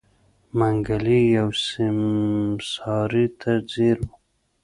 منګلی يوې سيمسارې ته ځير و.